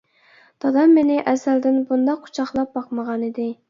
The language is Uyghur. دادام مېنى ئەزەلدىن بۇنداق قۇچاقلاپ باقمىغانىدى.